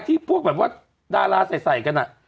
ที่พวกดาราไส่กันอ่ะ